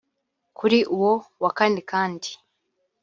Kuri uwo wa Kane kandi